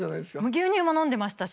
牛乳も飲んでましたし。